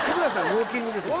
ウォーキングですもん